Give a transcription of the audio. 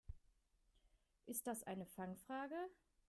Ist das eine Fangfrage?